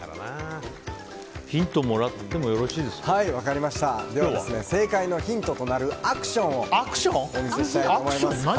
ヒントもらっても正解のヒントとなるアクションをお見せしたいと思います。